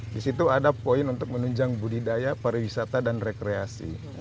di situ ada poin untuk menunjang budidaya pariwisata dan rekreasi